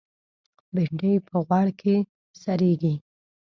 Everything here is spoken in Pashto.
بېنډۍ په غوړ کې سرېږي